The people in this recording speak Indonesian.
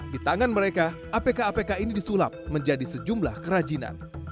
di tangan mereka apk apk ini disulap menjadi sejumlah kerajinan